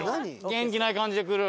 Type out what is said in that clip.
元気ない感じで来る。